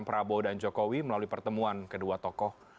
dan perabot dan jokowi melalui pertemuan kedua tokoh